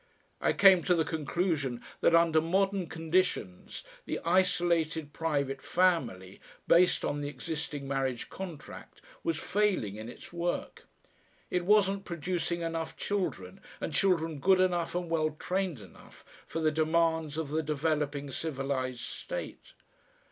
I came to the conclusion that under modern conditions the isolated private family, based on the existing marriage contract, was failing in its work. It wasn't producing enough children, and children good enough and well trained enough for the demands of the developing civilised state.